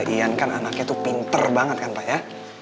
ian kan anaknya tuh pinter banget kan pak ya